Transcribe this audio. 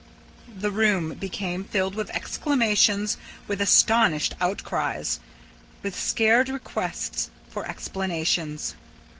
The room became filled with exclamations, with astonished outcries, with scared requests for explanations.